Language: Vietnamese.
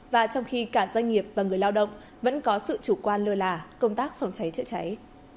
và trong khi cả doanh nghiệp và người lao động vẫn có sự chủ quan lừa lả công tác phòng cháy trợ cháy